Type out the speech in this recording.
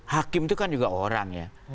hakim itu kan juga orang ya